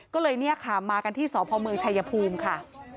ก็เลยเนี่ยค่ะมากันที่สพเมืองชายภูมิค่ะ